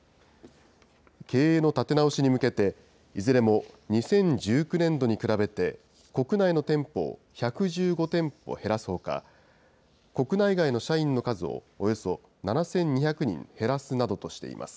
経営の立て直しに向けて、いずれも２０１９年度に比べて、国内の店舗を１１５店舗減らすほか、国内外の社員の数をおよそ７２００人減らすなどとしています。